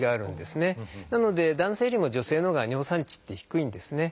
なので男性よりも女性のほうが尿酸値って低いんですね。